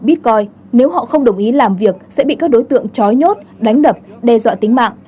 bitcoin nếu họ không đồng ý làm việc sẽ bị các đối tượng trói nhốt đánh đập đe dọa tính mạng